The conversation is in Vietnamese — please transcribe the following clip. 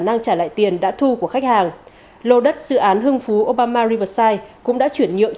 năng trả lại tiền đã thu của khách hàng lô đất dự án hưng phú obama riverside cũng đã chuyển nhượng